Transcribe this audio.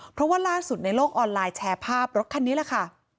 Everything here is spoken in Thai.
เพราะว่าล่าสุดในโลกออนไลน์แชร์ภาพรถคันนี้แหละค่ะ